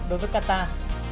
đối với qatar